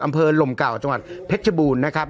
อำเภอลมเก่าจังหวัดเพชรบูนนะครับ